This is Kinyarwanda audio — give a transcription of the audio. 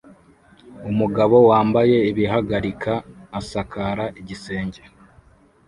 Umugabo wambaye ibihagarika asakara igisenge